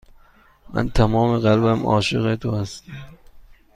من تمام قلبم عاشق تو هستم.